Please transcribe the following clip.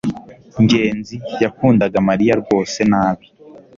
ngenzi yakundaga mariya rwose nabi